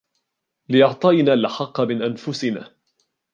لِإِعْطَائِنَا الْحَقَّ مِنْ أَنْفُسِنَا